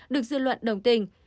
được dư luận đồng tình